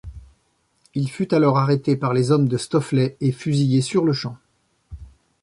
Il fut alors arrêté par les hommes de Stofflet et fusillé sur-le-champ.